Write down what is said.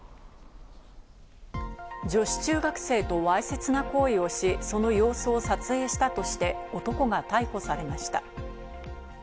女子中学生とわいせつな行為をし、その様子を撮影したとして男が逮捕されました。